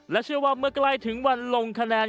เชื่อว่าเมื่อใกล้ถึงวันลงคะแนน